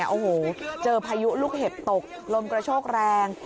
โอ้โหเจอพายุลูกเห็บตกลมกระโชกแรง